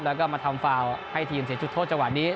แล้วก็มาทำฟาวให้ทีมเสียจุดโทษจังหวะนี้